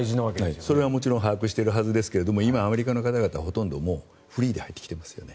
それはもちろん把握しているはずですけれど今、アメリカの方々はほとんどフリーで入ってきていますよね。